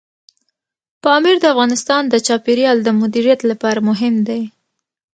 پامیر د افغانستان د چاپیریال د مدیریت لپاره مهم دی.